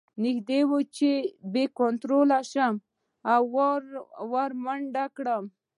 نږدې وه چې بې کنتروله شم او ور منډه کړم